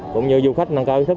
cũng như du khách nâng cao ý thức